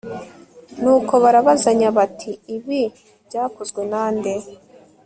nuko barabazanya bati ibi byakozwe na nde